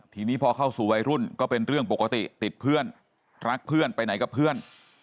ทีนี้พอเข้าสู่วัยรุ่นก็เป็นเรื่องปกติติดเพื่อนรักเพื่อนไปไหนกับเพื่อน